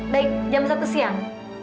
baik jam satu siang